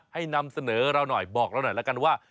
นำเสนอเราหน่อยบอกเราหน่อยแล้วกันว่า